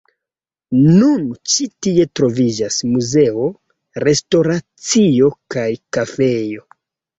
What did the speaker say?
Nun ĉi tie troviĝas muzeo, restoracio kaj kafejo.